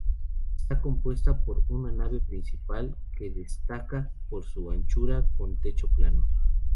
Está compuesta de una nave principal que destaca por su anchura con techo plano.